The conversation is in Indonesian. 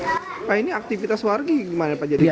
lagu bahaya dari pemerintah yang jual sanze specification istimewa